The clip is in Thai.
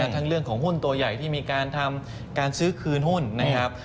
ทั้งเรื่องของหุ้นตัวใหญ่ที่มีการทำการซื้อคืนหุ้นนะครับ